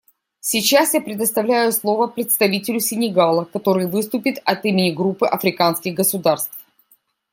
Сейчас я предоставляю слово представителю Сенегала, который выступит от имени Группы африканских государств.